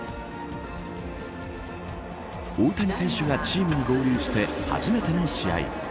大谷選手がチームに合流して初めての試合。